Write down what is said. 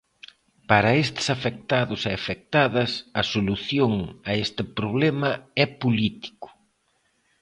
Para estes afectados e afectadas, a solución a este problema é político.